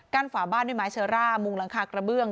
ฝาบ้านด้วยไม้เชอร่ามุงหลังคากระเบื้อง